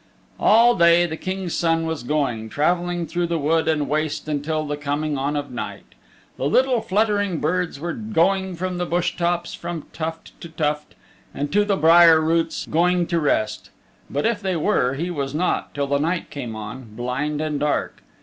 All day the King's Son was going, traveling through wood and waste until the coming on of night. The little fluttering birds were going from the bush tops, from tuft to tuft, and to the briar roots, going to rest; but if they were, he was not, till the night came on, blind and dark.